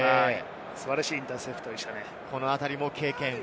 素晴らしいインターセプトでしたね。